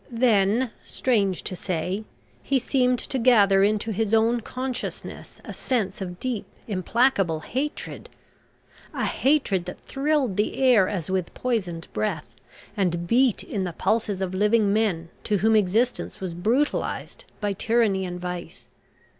Then, strange to say, he seemed to gather into his own consciousness a sense of deep implacable hatred. A hatred that thrilled the air as with poisoned breath, and beat in the pulses of living men to whom existence was brutalised by tyranny and vice.